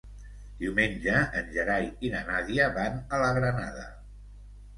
Diumenge en Gerai i na Nàdia van a la Granada.